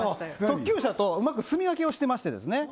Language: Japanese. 特急車とうまくすみ分けをしてましてですね